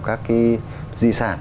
các cái di sản